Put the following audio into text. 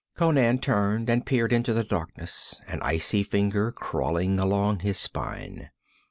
Conan turned and peered into the darkness, an icy finger crawling along his spine.